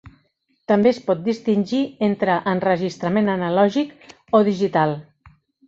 També es pot distingir entre enregistrament analògic o digital.